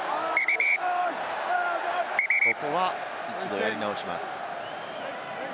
ここは一度やり直します。